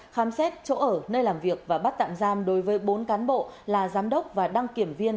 khám xét chỗ ở nơi làm việc và bắt tạm giam đối với bốn cán bộ là giám đốc và đăng kiểm viên